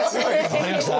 分かりました？